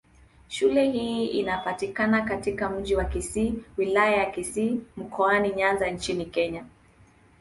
Shule hii inapatikana katika Mji wa Kisii, Wilaya ya Kisii, Mkoani Nyanza nchini Kenya.